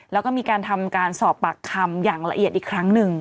แล้วก็มีการทำการสอบปากคำอย่างละเอียดอีกครั้งหนึ่ง